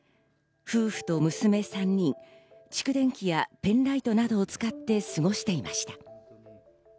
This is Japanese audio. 夫婦と娘３人、蓄電器やペンライトなどを使って過ごしていました。